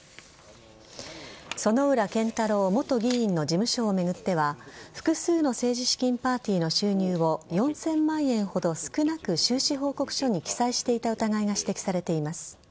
薗浦健太郎元議員の事務所を巡っては複数の政治資金パーティーの収入を４０００万円ほど少なく収支報告書に記載していた疑いが指摘されています。